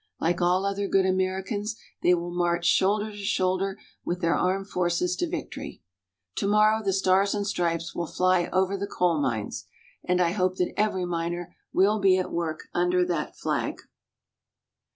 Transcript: Like all other good Americans, they will march shoulder to shoulder with their armed forces to victory. Tomorrow the Stars and Stripes will fly over the coal mines, and I hope that every miner will be at work under that flag.